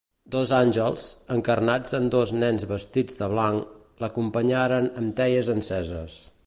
Dos àngels, encarnats en dos nens vestits de blanc, l'acompanyaren amb teies enceses.